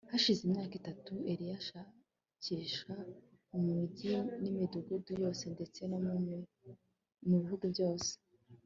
Hashize imyaka itatu Eliya ashakishwa mu mijyi nimidigudu yose ndetse no mu bihugu byose